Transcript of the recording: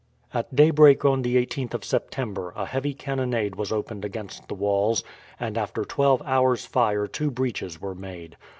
At daybreak on the 18th of September a heavy cannonade was opened against the walls, and after twelve hours' fire two breaches were made.